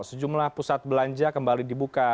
sejumlah pusat belanja kembali dibuka